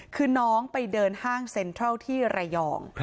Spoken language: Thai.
คือน้องไปเดินห้างเซ็นทรัลที่ระยอง